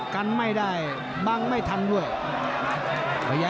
กันไม่ได้บังไม่ทันด้วย